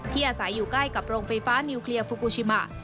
อาศัยอยู่ใกล้กับโรงไฟฟ้านิวเคลียร์ฟูกูชิมะ